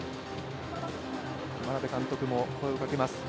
眞鍋監督も声をかけます